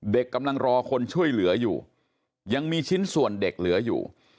กำลังรอคนช่วยเหลืออยู่ยังมีชิ้นส่วนเด็กเหลืออยู่